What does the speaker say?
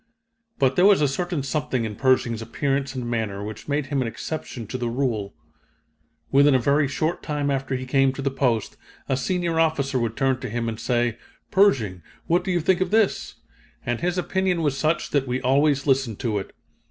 But there was a certain something in Pershing's appearance and manner which made him an exception to the rule. Within a very short time after he came to the post, a senior officer would turn to him, and say: 'Pershing, what do you think of this?' and his opinion was such that we always listened to it.